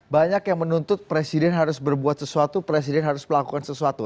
banyak yang menuntut presiden harus berbuat sesuatu presiden harus melakukan sesuatu